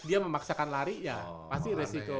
jadi dia memaksakan larinya pasti resiko